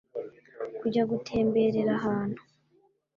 kujya gutemberera ahantu